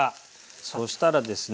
そしたらですね